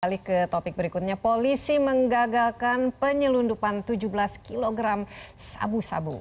alih ke topik berikutnya polisi menggagalkan penyelundupan tujuh belas kg sabu sabu